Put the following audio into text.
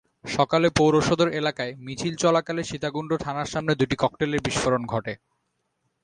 সকালে পৌরসদর এলাকায় মিছিল চলাকালে সীতাকুণ্ড থানার সামনে দুটি ককটেলের বিস্ফোরণ ঘটে।